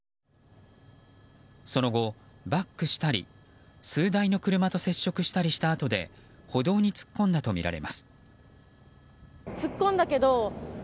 その後、バックしたり数台の車と接触したりしたあとで歩道に突っ込んだとみられます。